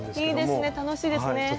いいですね楽しいですね。